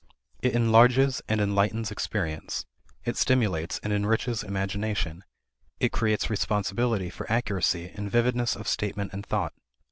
It enlarges and enlightens experience; it stimulates and enriches imagination; it creates responsibility for accuracy and vividness of statement and thought.